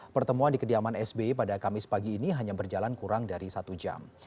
pertemuan di kediaman sbi pada kamis pagi ini hanya berjalan kurang dari satu jam